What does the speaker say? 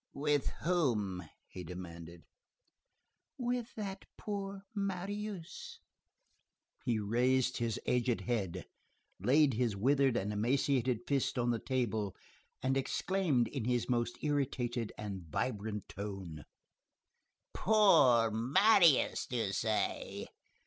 "With whom?" he demanded. "With that poor Marius." He raised his aged head, laid his withered and emaciated fist on the table, and exclaimed in his most irritated and vibrating tone:— "Poor Marius, do you say!